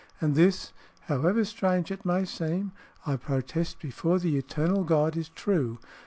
And this (however strange it may seem) I protest before the eternal God is true.